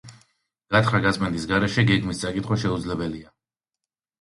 გათხრა-გაწმენდის გარეშე გეგმის წაკითხვა შეუძლებელია.